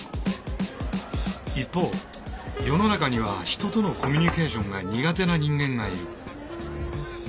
一方世の中には人とのコミュニケーションが苦手な人間がいる。